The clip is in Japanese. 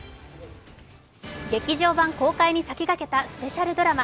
劇場版公開に先駆けたスペシャルドラマ。